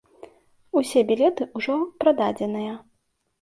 Усе білеты ўжо прададзеныя.